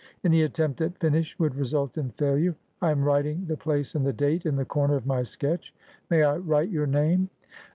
Any attempt at finish would result in failure. I am writing the place and the date in the corner of my sketch. May I write your name